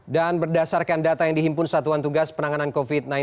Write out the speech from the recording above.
dan berdasarkan data yang dihimpun satuan tugas penanganan covid sembilan belas